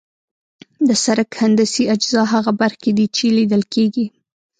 د سرک هندسي اجزا هغه برخې دي چې لیدل کیږي